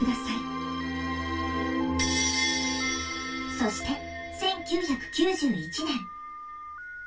そして１９９１年。